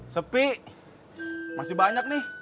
sepi masih banyak nih